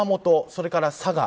それから佐賀